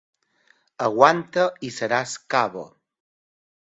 Aguanta i seràs cabo.